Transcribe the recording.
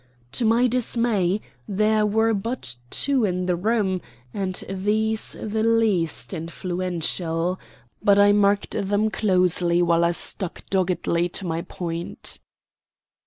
To my dismay there were but two in the room, and these the least influential; but I marked them closely while I stuck doggedly to my point.